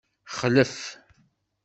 Xlef.